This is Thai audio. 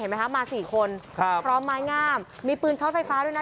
เห็นไหมคะมาสี่คนครับพร้อมไม้งามมีปืนชอบไฟฟ้าด้วยนะ